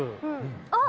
あっ！